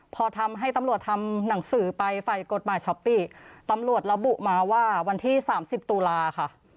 พอมีดาลจิลทำหนังสือไฟล์กฎหมายช้อปปี้ตำรวจระบุว่าวันที่๓๐ตุลาค่ะ